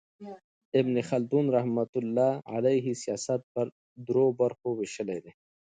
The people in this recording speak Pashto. ابن خلدون رحمة الله علیه سیاست پر درو برخو ویشلی دئ.